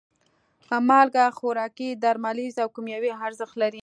مالګه خوراکي، درملیز او کیمیاوي ارزښت لري.